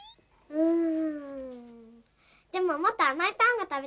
うん。